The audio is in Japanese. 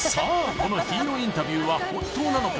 このヒーローインタビューは本当なのか？